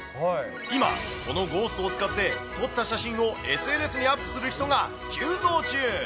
今、このゴーストを使って撮った写真をＳＮＳにアップする人が急増中。